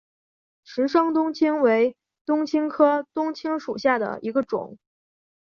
石生冬青为冬青科冬青属下的一个种。